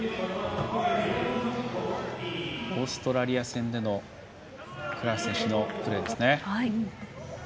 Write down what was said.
オーストラリア戦での倉橋選手のプレーですね。